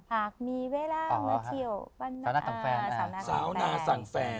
หากมีเวลาเมื่อเที่ยวสาวนาสั่งแฟน